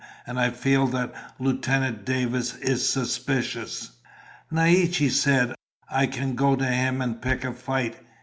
And I feel that Lieutenant Davis is suspicious." Naiche said, "I can go to him and pick a fight.